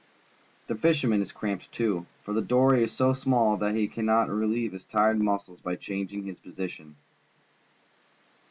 The fisherman is cramped, too, for the dory is so small that he cannot relie^'e his tired muscles by changing his position.